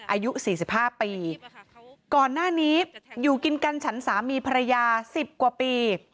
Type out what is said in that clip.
อายุ๔๕ปีก่อนหน้านี้อยู่กินกันฉันสามีภรรยาสิบกว่าปี